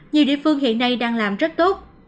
nhiều địa phương hiện nay đang làm rất tốt